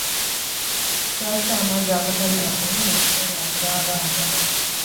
Lwaki amazzi agatali mafumbe galwaza abaana.